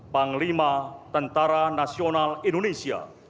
panglima tentara nasional indonesia